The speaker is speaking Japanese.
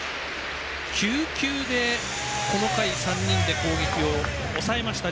９球で、この回３人で攻撃を抑えました。